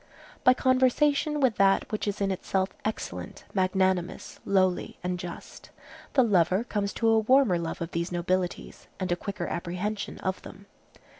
By conversation with that which is in itself excellent, magnanimous, lowly, and just, the lover comes to a warmer love of these nobilities, and a quicker apprehension of them.